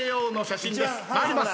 参ります。